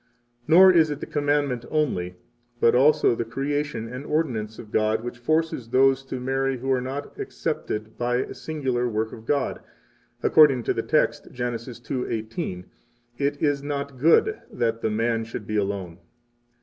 Nor is it the commandment only, but also the creation and ordinance of God, which forces those to marry who are not excepted by a singular work of God, according to the text Gen. 2:18: It is not good 21 that the man should be alone.